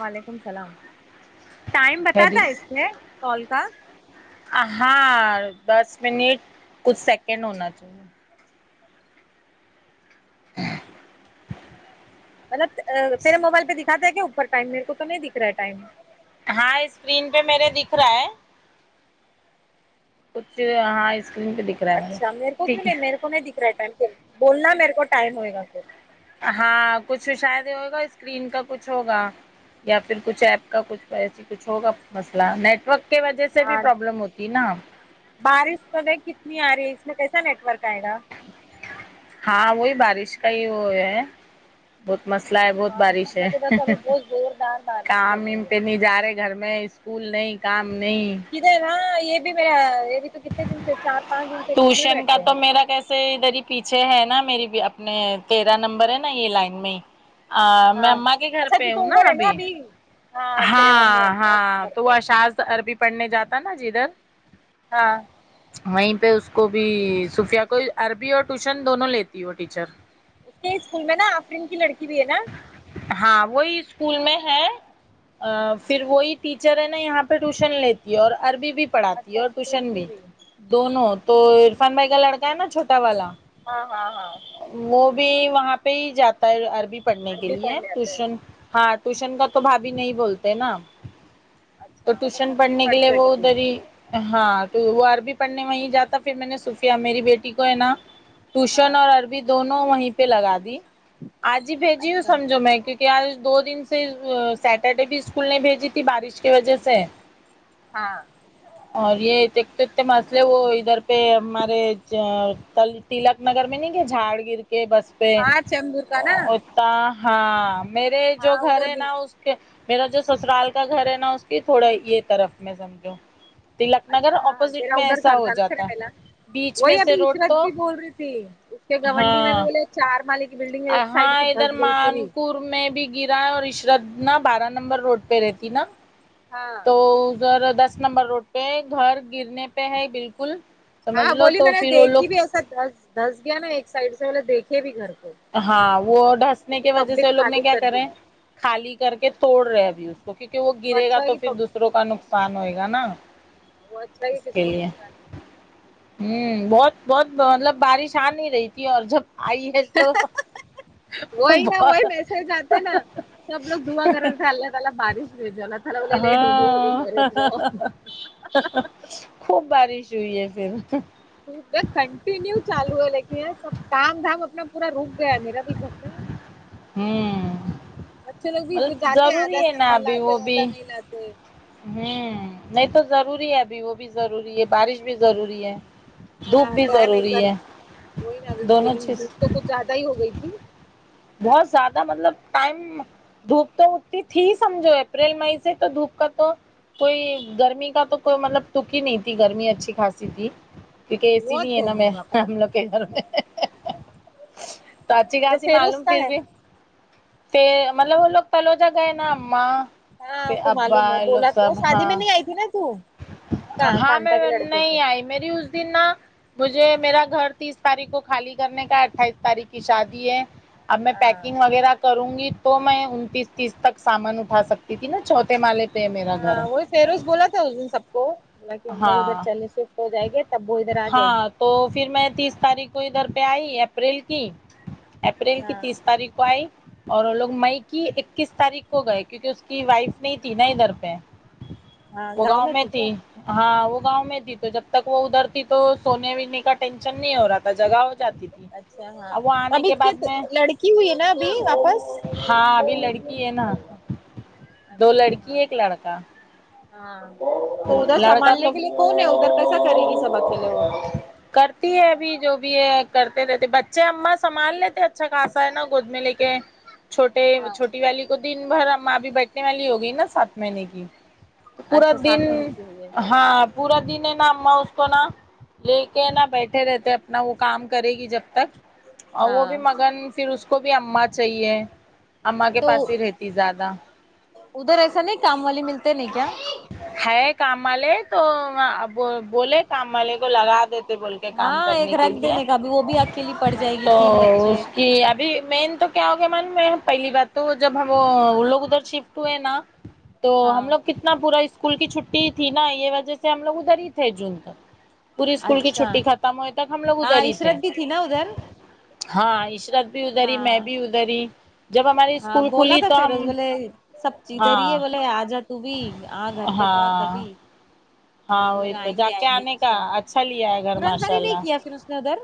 وعلیکم السلام ٹائم خری بتاتا اس میں کال کا ہاں دس منٹ کچھ سیکنڈ ہونا چاہیے مطلب تیرے موبائل پہ دکھا ہے کیا اوپر ٹائم میرے کو تو نہیں دکھ رہا ٹائم ہاں اسکرین پہ میرے دکھ رہا ہے کچھ ہاں آئسکرین پہ دیک اچھا میرے کو کیوں نہیں میرے کو نہیں دکھ رہا ہے ٹائم بولنا میرے کو ٹائم ہوئے گا پھر ہاں کچھ شاید ہوگا اسکرین کا کچھ ہوگا یا پھر کچھ ایپ کا کچھ ایسی کچھ ہوگا مسئلہ نیٹورک کی وجہ سے بھی ہاں پرابلم ہوتی ہے نا بارش تو دیکھ کتنی آ رہی ہے اس میں کیسا نیٹ ورک آئے گا ہاں وہی بارش کا ہی وہ ہے بہت مسلا ہے بہت بارش ہم ہے لوگ کے ادھر تو ابھی بہت زوردار بارش چل کام ایم رہی ہے پہ جارے گھر میں اسکول نہیں کام نہیں ادھر ہاں یہ بھی م یہ بھی تو کتنے دن سے چار پانچ دن سے گھر میں بیٹھے ہیں سے ادھر ہی پیچھے ہے نا میری اپنے تیرہ نمبر ہے نا یہ لائن میں ہی ا میں ہاں اما کے گھر اچھا تو پہ تو ہوں نا ادھر ہے ابھی تیرے ہاں ممی ابو ہاں کے گھر تو وہ پہ اشذ عربی پڑھنے جاتا نا جدھر ہاں وہی پہ اس کو بھی صفیہ کو عربی اور ٹیوشن دونوں لیتی وہ ٹیچر اس کے اسکول میں نا آفرین کی لڑکی بھی ہے نا ہاں وہی اسکول میں ہے ا پھر وہی ٹیچر ہے نا یہاں پہ ٹیوشن لیتی ہے اور عربی بھی پڑھاتی ہے اچھا اور اسکول ٹیوشن کی بھی دونوں تو عرفان بھائی کا لڑکا ہے نا چھوٹا والا ہاں ہاں ہاں وہ بھی وہاں پہ ہی جاتا ہے عربی پڑھنے کے عربی لیے پڑھنے آتا ہے ٹیوشن ہاں ٹیوشن کا تو بھابی نہیں بولتے نا تو اچھا وہ ٹیوشن گھر میں ہی پڑھنے کے لیے پڑھتے ہے وہ کبھی ادھر ہی ہاں تو وہ عرب پڑھنے میںں جاتا پھر میں نے صوفیا میری بیٹی کو ہے نا ٹیوشن ہاں اور عربی دونوں وہی پہ لگا دی آج ہی بھیجی ہوں اچھا سمجھو میں کیونکہ کہ آج دو دن سے سیٹرڈے بھی اسکول نہیں بھیجی تھی بارش کی وجہ سے ہاں اور یہ ا تو اتے مسئلے وہ ادھر پہ ہمارے تلک نگر میں نہیں کہ جھاڑ گر کے بس ہاں چمبر کا نہ تا آ ہاں میرے جو گھر ادھر ہے بھی نا اس میرا جو سسرال کا گھر ہے نا اس کی تھوڑا یہ طرف میں سمجھوں تلک نگر اچھا ہاں ہاں اپوزٹ تیرا میں ادھر ایسا گھر ہو تھا نا تیرا جاتا ہے پہلا بیچ میں وہی ابھی سے روڈ عشرت تو بھی بول رہی تھی اس کے گونڈی میں بھی ہاں بولے چار ملے کے بلڈنگ ہے ایک سائڈ دھس گئی پوری پور میں بھی گرا اور عشرت نا بارہ نمبر روڈ پہ رہتی نا ہاں تو سر دس نمبر روڈ پہ گھر گرنے پہ ہے بالکل سمجھ ہاں لو بولی میں تو نے پھر وہ لوگ دیکھی بھی ایسا دس دھس گیا نا ایک سائڈ سے بے دیکھے بھی گھر کو ہاں وہ تو ڈھسنے پھر کی وجہ سے وہ پبلک لوگ نے خالی کیا کر دی کرے ہیں خالی کر کے توڑ رہے ابھی اس تو کیونکہ وہ گرے گا اچھا تو ہے پھر کہ دوسروں کا نقصان ہوئے گا نا وہ اچھا ہے اس کہ کس کے کو لیے نقصان نہیں ہوں بہت بہت مطلب بارش آ نہیں رہی تھی اور جب آئی ہے تو وہی نا وہی میسج آتے نا سب لوگ دعا کر رہے تھے اللہ تعالی بارش بھیجو اللہ تعالی لے ڈبو مرت جاؤ ہا ہا خوب بارش ہوئی ہے پھر کنٹینیو چالو ہے لیکن یہ سب کام دام اپنا پورا رک گیا ہے میرا بھی گھر میں ہوں بچے لوگ بھی مطلب جاتے ہیں ضروری آدھا ہے نا سامان ابھی لاتے وہ آدھا بھی نہیں لاتے ہوں نہیں تو ضروری ہے ابھی وہ بھی ضروری ہے بارش بھی ضروری ہے دھوپ ہاں بھی ڈیم ایک ضروری بار ہے وہی نا ابھی دونوں لیکن چیز دھوپ تو کچھ زیادہ ہی ہو گئی تھی بہت زیادہ مطلب ٹائم دھوپ تو اتی تھی سمجھو اپریل مئی سے تو دھوپ کا تو کوئی گرمی کا تو کوئی مطلب ٹک ہی نہیں تھی گرمی اچھی خاصی تھی کیونکہ اے سی بہت نہیں ہے نا گرمی میں باپ رے ہم لوگ کے گھر میں تو اچھی کہا اچھا سے فیروز معلوم کا پھر ہے بھی پ مطلب وہ لوگ پہلے گئے نا اما پھر ابا یہ لوگ سب ہاں آتی نا تو کہاں ہاں کانتا کے میں لڑکے کے نہیں آئی میری اس دن نا مجھے میرا گھر تیس تاریخ کو خالی کرنے کا ہے اٹھائیس تاریخ کی شادی ہے اب میں ہاں پیکنگ وغیرہ کروں گی تو میں انتیس تیس تک سامان اٹھا سکتی تھی نا چوتھے مالے کے ہاں وہی فیروز بولا تھا اس دن سب کو بالکہ ہم لگ ادھر ہاں چلنے شفٹ ہو جائ گے تب وہ ادھر آ جائے ہاں گی تو پھر میں تیس تاریخ کو ادھر پہ آئی اپریل کی اپریل کی ہاں تیس تاریخ کو آئی اور وہ لوگ مئی کی اکیس تاریخ کو گئے کیونکہ اس کی وائف نہیں تھی نا ادھر پہ وہ گاؤں میں تھی ہاں وہ گاؤں میں تھی تو جب تک وہ ادھر تھی تو سونے وینے کا ٹینشن نہیں ہو رہا تھا جگہ ہو جاتی تھی اچھا ہاں اب وہ آنے ابھی کے بعد میں لڑکی ہوئی ہے نا ابھی واپس الہ ہاں اللہ ہو ابھی اکبر لڑکی ہے نا [unintelligible] دو لڑکی ایک لڑکا ہاں تو ادھر لڑکا سنبھالنے تو کے لیے کون ہے ادھر کیسا کرے گی سب ا کےلے وہ کرتی ہے ابھی جو بھی ہے کرتے رہتے بچے مست سنبھال لیتے اچھا خاصا ہے نا گود میں لے کے چھوٹے ہاں چھوٹی والی تو دن بھر اما بھی بیٹھنے والی ہوگئی نا سات مہینے کی پورا اچھا دن سات مہینے کی ہوئی ہے ہاں پورا دن ہے نا اما کو نہ لے کے نہ بیٹھے رہتے اپنا وہ کام کرے گی جب تک اور وہ بھی ہاں مگن پھر اس کو بھی اما چاہیے اما کے تو پاس ہی رہتی زیادہ ادھر ایسا نہیں کام والے ملتے نہیں کیا ہے کام والے تو بولے کام والے کو لگا دیتے بول کام ہاں ایک کرنے کے رکھ لیے دینے کا بھی وہ بھی اکیلی پڑ جائے گی تو تین بچے اس کی ابھی مین تو کیا ہو گیا من میں پہلی بات تو جب ہم لوگ ادھر شفٹ ہوئے نا تو ہاں ہم لوگ کتنا پورا اسکول کی چھٹی تھی نا یہ وجہ سے ہم لوگ ادھر ہی تھے جون تک پوری اسکول کی اچھا چھٹی ختم ہوئے تک ہم لوگ ہاں ادھر ہی تھے عشرت بھی تھی نا ادھر ہاں عشرت بھی ادھر میں ہاں بھی ادھر جب ہماری ہاں اسکول بولا کھلی تھا تو ہم فیروز بولے سب ادھر ہی ہے ہاں بولے آ جاتو بھی آ گھر پہ تو آ ہاں کبھی ہم ہاں وہی لوگ تو آئیں جا گے کے آئیں گے آنے کا انشاء اللہ اچھا لیا ہے گھر ترنت ماشاء ساری نہیں اللہ کیا پھر اس نے ادھر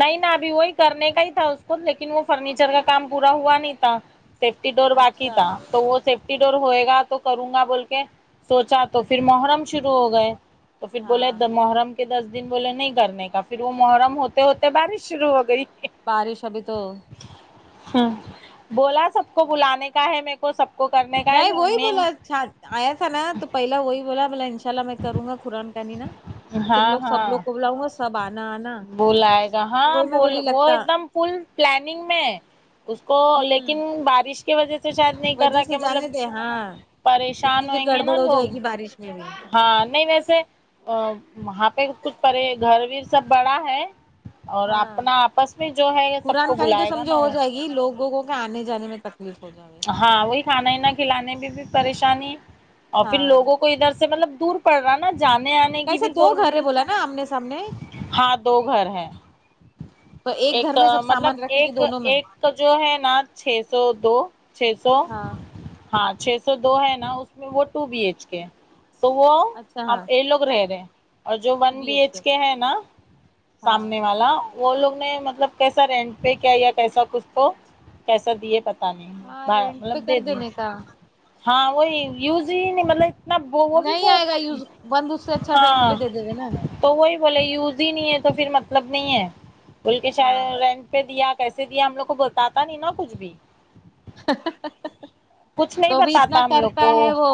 نہیں نا ابھی وہی کرنے کا ہی تھا اس کو لیکن وہ فرنیچر کا کام پورا ہوا نہیں تھا سیفٹی ڈور باقی اچھا تھا تو وہ سف یفٹی ڈور ہوئے گا تو کروں گا بول کے سوچا تو پھر محرم شروع ہو گئے تو پھر بولے ہاں د محرم کہ دس دن بولے نہیں کرنے کا پھر وہ محرم ہوتے ہوتے بارش شروع ہو گئی بارش ابھی تو ہ بولا سب کو بلانے کا ہے میر کو سب کو کرنے کا نہیں وہ ہے ہی مین بولا آیا تھا نا تو پہلا وہی بولا بولا ان شاء اللہ میں کروں گا کرآن کہنی نا تو تم ہاں لوگ سبلگ ہاں کو بلاؤں گا سب آنا آنا بلائے گا ہاں وہی میں ب بولی وہ لگتا ایک دم فل پلاننگ میں ہے اس کو لیکن ہوں بارش کی وجہ سے شاید نہیں کر وجہ رہا سے کہ مطلب جانے دے ہاں پریشان اتنی پھر ہوئیں گے نا گڑبڑ ہو لوگ جائے گی بارش میں بھی ہاں نہیں ویسے ا وہاں پہ کچھ پے گھر ویر سب بڑا ہے اور ہاں اپنا آپس میں جو ہے سب کو بلائے گا نا وہ یہ لوگوں کو کے آنے جانے میں تکلیف ہو جا گ ہاں وہی کھانا ہی نہ کھلانے میں بھی پریشانی اور پھر ہاں لوگوں کو کو ادھر سے مطلب دور پڑ رہا ہے نا جانے آنے نہیں کی کیسے بھی تو دو گھر ہے بولا نا آمنے سامنے ہاں دو گھر ہے تو گھر ایک میں سب مطلب سامان رکھے گی ایک دونوں میں ایک توہ جو ہے نا چھ سو دو چھ سو ہاں ہاں چھ سو دو ہے نا اس میں وہ ٹو بی ایچ کے ہے تو وہ اچھا اب ہاں یہ لوگ رہ رہے اور جو ون بی ایچ کے ہے نا ہاں سامنے والا وہ لوگ نے مطلب کیسا رینٹ پہ کیا یا کیسا کچھ کو کیسا دیے پتہ نہیں ہاں رینٹ مطلب پہ دے کر دے دینے کا ہاں وہی یوز ہی نہیں مطلب نہ وہ وہ بھی نہیں ب آئے گا یوز بند اس سے اچھا رینٹ پہ ہاں دے دے گے نا تو وہی بولے یوز ہی نہیں ہے تو پھر مطلب نہیں ہے بول کے ہاں شاید رینٹ پہ دیا کیسے دیا ہم لوگ کو بتاتا نہیں نا کچھ بھی ہاں۔ ہا۔ ہ۔ ہ کچھ نہیں بتاتا ہم لوگ کو وہ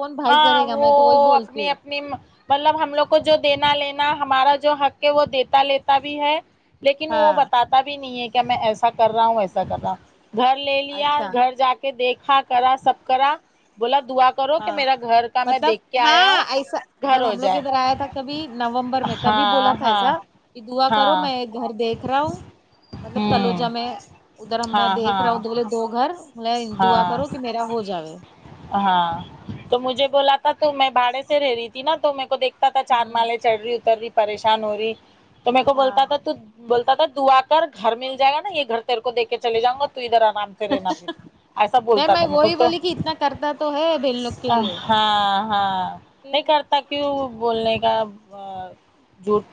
کون بھائی ہاں کرے گا وہ میں تو وہی اپنی بولتی ہوں اپنی مطلب ہم لوگ کو جو دینا لینا ہمارا جو حق ہے وہ دیتا لیتا بھی ہے لیکن وہ ہاں بتاتا بھی نہیں ہے کیا میں ایسا کر رہا ہوں ویسا کر رہا ہوں گھر لے لیا اچھا گھر جا کے دیکھا کرا سب کرا بولا دعا کرو کہ ہاں میرا گھر کا میں مطلب دیکھ کے آیا ہاں ہوں ایسا گھر جب ہو ہم لوگ جائے ادھر آیا تھا کبھی نومبر میں تبھی بولا ہاں تھا ہاں ایسا کہ دعا کرو ہاں میں گھر دیکھ رہا ہوں مطلب تلو ہوں جا میں ادھر ہم میں ہاں دیکھ ہاں رہا ہوں دوولے دو گھر مطلب دعا ہاں کرو کہ میرا ہو جائے ہاں تو مجھے بولا تھا تو میں بھاڑے سے رہ رہی تھی نا تو میں کو دیکھ تھا چار ہوں مالے چڑھ رہی اتر رہی پریشان ہو رہی تو میر کو ہاں بولتا تھا تو بولتا تھا دعا کر گھر مل جائے گا نا یہ گھر تیر کو دے کے چل جاؤں گا تو ادھر آرام سے رہنا پھر ایسا نہیں بولتا تھا میں وہی سب تو بولی کہ اتنا کرتا تو ہے بہن لوگ کے ہاں لیے ہاں نہیں پھر کرتا کیوں بولنے کا جھوٹ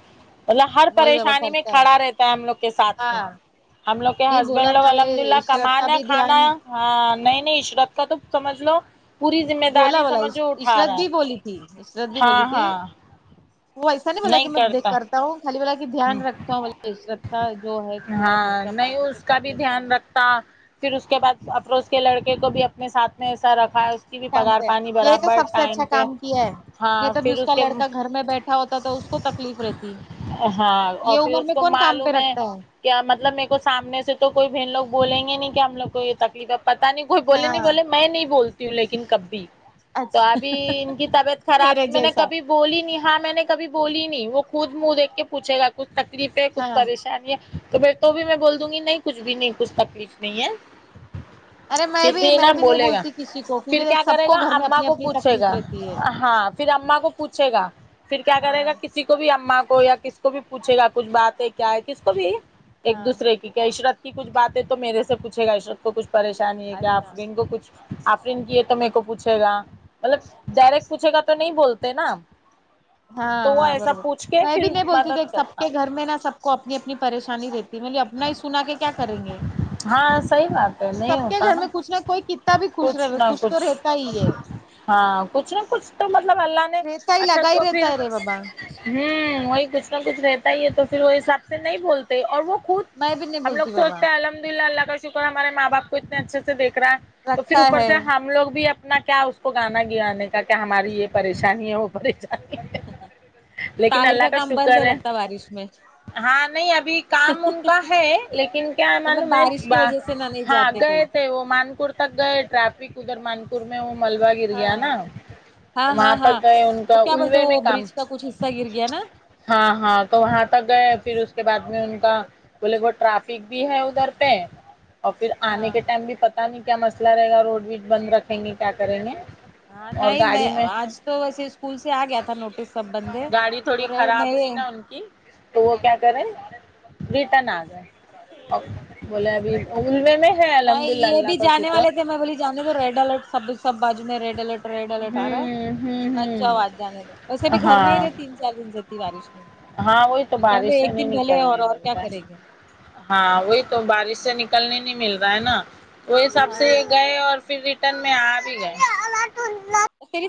مطلب ہر وہی بابا پریشانی میں کرتا کھڑا رہتا ہے ہم لوگ کے ساتھ میں ہاں ہم لوگ کے نہیں ہسبینڈ بولا لوگ تھا بولے الحمد للہ عشرت کا کمانا بھی کھانا دھیان ہاں نہیں نہیں عشرت کا تو سمجھ لو پوری ذمہ بھولا داری بھالا سمجھو اٹھا عشرت رہا ہے بھی بھولی تھی عشرت بھی بھولی ہاں تھی ہاں وہ ایسا نہیں بولا کہ میں دیک کرتا ہوں خالی بولا دھیان رکھتا ہوں بولے عشرت کا جو ہے تھوڑا ہاں خرچہ نہیں پانی کا اس کر بھی لیتا ہوں دھیان رکھتا کا پھر اس کے بعد افروز کے لڑکے کو بھی اپنے ساتھ میں ایسا رکھا ہے اس کی بھی کام پگار پہ پانی برابر ٹائم پہ یا ہاں تبھی پھر اس کا کے لڑکا گھر میں بیٹھا ہوتا تو اس کو تکلیف رہتی ہاں اور یہ پھر عمر اس میں کو کون کام پہ معلوم ہے رکھتا کیا مطلب میرے کو سامنے سے تو کوئی بہن لوگ بولیں گے نہیں کہ ہم لوگ کو یہ تکلیف ہے پتا نہیں کوئی بولے نہیں ہاں بولے میں نہیں بولتی ہوں لیکن کب بھی تو اچھا ابھی ان کی طبیعت میرے خراب میں نے جیسا کبھی بولی نہیں ہاں میں نے کبھی بولی نہیں وہ خود منہ دیکھ کے پوچھے گا کچھ تکلیف ہے کچھ ہاں پریشانی ہے تو میں تو بھی میں بول دوں گی نہیں کچھ بھی نہیں کچھ تکلیف نہیں ہے ارے میں پھر بھی نا میں نہیں بولے گا بولتی کسی کو پھر کیونکہ کیا سب کرے کو گا گھر میں اماں اپنی کو اپنی پوچھے تکلیف گا رہتی ہے ہاں پھر اماں کو پوچھے گا پھر کیا کرے ہاں گا کس کسی کو بھی اماں کو یا کسی کو بھی پوچھے گا کچھ بات ہے کیا ہے کس کو بھی ایک ہاں دوسرے کی کہ عشرت کی کچھ بات ہے تو میرے سے پوچھے گا عشرت کو کچھ پریشانی ہے کیا اچھا آفرین کو کچھ آفرین کی ہے تو میرے کو پوچھے گا مطلب ڈائریکٹ پوچھے گا تو نہیں بول تے نا ہاں تو وہ ہاں ایسا برابر پوچھ کے میں بھی پھر نہیں بولتی تک مدد سب کرتا کے گھر میں نا سب کو اپنی اپنی پریشانی رہتی میں اپنا ہی سنا کے کیا کریں گے ہاں صحیح بات ہے تو نہیں سب کے ہوتا گھر نا میں کچھ نہ کوئی کتا بھی خوش رہ کچھ تو رہتا ہی ہے ہاں کچھ نہ کچھ تو مطلب اللہ نے رہتا ہی اچھا لگا ہی تو رہتا پھر ہے رے بابا ہوں وہی کچھ نہ کچھ رہتا ہی ہے تو پھر وہ حساب سے نہیں بول اور وہ خود میں بھی نہیں ہم لوگ بولتی بابا سوچتے ہیں الحمد للہ اللہ کا شکر ہمارے ماں باپ کو اتنے اچھے سے دیکھ رہا ہے تو پھر رکھا اوپر ہے سے ہم لوگ بھی اپنا کیا کو گانا گانے کا کیا ہماری یہ پریشانی ہے ہو پریشانی لیکن اللہ کا شکر گندا لگتا ہے بارش میں ہاں نہیں ابھی کام ان کا ہے لیکن کیا ہے مطلب معلوم ہے بارش کی وجہ سے نہ نہیں ہاں جاتے کوئی گئے تھے وہ مانکپور تک گئے ٹریفک ادھر مانک پور میں وہ ملبہ گر ہاں گیا نا ہاں وہاں ہاں پر ہاں گے ان کا اللوے میں کام تا گر گیا نا ہاں ہاں تو وہاں تک گئے پھر اس کے بعد میں ان کا بولے بہت ٹرافک بھی ہے ادھر پہ اور پھر آنے ہاں کے ٹائم بھی پتا نہیں کیا مسئلہ رہے گا روڈ ویڈ بند رکھیں گے کیا کریں گے ہاں اور نہیں میں گاڑی آج تو ویسے اسکول سے آ گیا تھا نوٹس سب بند ہے تو روڈ اب ہوئی نا ان کی تو وہ کیا کرے ریٹن آ گئے بولے ابھی وے اللوے میں ہے الحمد للہ یہ اللہ بھی کا جانے شکر والے تھے میں بولی جانے تو ریڈ الرٹ سب سب بازو میں ریڈ الرٹ ریڈ الرٹ آ رہا ہوں ہے ہوں مت جاؤ آج ہوں جانے دو ویسے بھی گھر میں ہاں ہی تین کیا گھوم سکتی بارش میں ہاں وہی تو جانے بارش دو سے ایک نہیں دن بھلے اور نکلنے اور مل کیا رہا کریں گے ہے ہاں وہی تو بارش سے نکلنے نہیں مل رہا ہے نا وہی حساب سے ہاں گئے اور پھر ریٹرن میں آ بھی گئے [unintelligible]